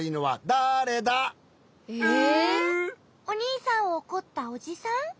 おにいさんをおこったおじさん？